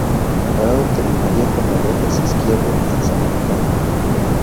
Prado terminaría con el ojos izquierdo ensangrentado.